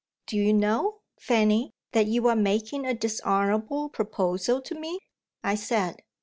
"Do you know, Fanny, that you are making a dishonourable proposal to me?" I said.